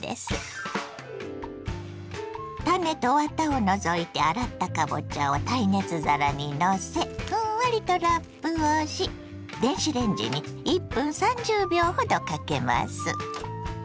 種とワタを除いて洗ったかぼちゃを耐熱皿にのせふんわりとラップをし電子レンジに１分３０秒ほどかけます。